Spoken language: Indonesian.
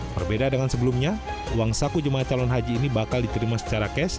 berbeda dengan sebelumnya uang saku jemaah calon haji ini bakal diterima secara cash